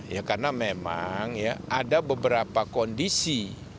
ya karena memang ya ada beberapa kondisi